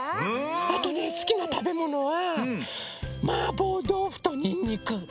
あとねすきなたべものはマーボーどうふとにんにく。